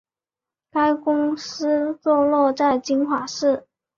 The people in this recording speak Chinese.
该公司坐落在金华市。